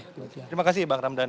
terima kasih bang ramdan